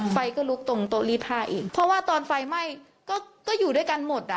ไฟก็ลุกตรงโต๊ะรีดห้าเองเพราะว่าตอนไฟไหม้ก็ก็อยู่ด้วยกันหมดอ่ะ